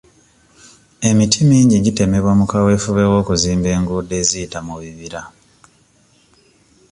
Emiti mingi gitemebwa mu kaweefube w'okuzimba enguudo eziyita mu bibira.